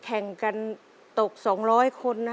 แข่งกันตก๒๐๐คนนะ